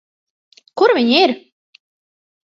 Kur viņi ir?